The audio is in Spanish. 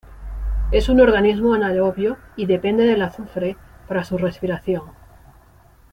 Es un organismo anaerobio y depende del azufre para su respiración.